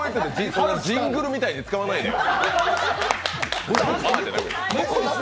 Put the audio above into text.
ジングルみたいに使わないでよ。